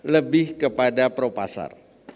lebih kepada pro pasar